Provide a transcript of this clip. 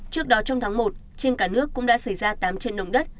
trước đó trong tháng một trên cả nước cũng đã xảy ra tám trận động đất